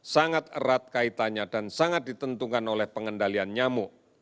sangat erat kaitannya dan sangat ditentukan oleh pengendalian nyamuk